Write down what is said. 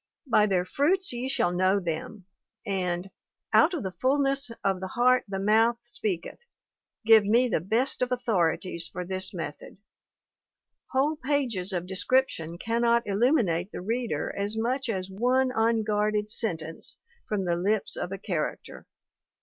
'By their fruits ye shall know them/ and 'Out of the fullness of the heart the mouth speak eth' give me the best of authorities for this method; whole pages of description cannot illuminate the reader as much as one unguarded sentence from the lips of a character.